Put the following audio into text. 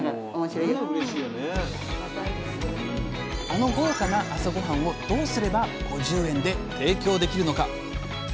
あの豪華な朝ごはんをどうすれば５０円で提供できるのか。